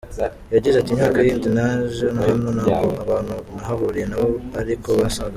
Yagize ati “Imyaka yindi naje hano ntabwo abantu nahahuriye nabo ari ko basaga.